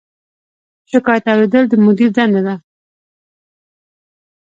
شکایت اوریدل د مدیر دنده ده